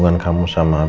ya tidak ada apa apa